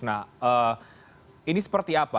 nah ini seperti apa